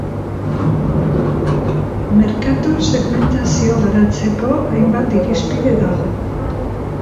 Merkatu-segmentazioa garatzeko hainbat irizpide dago.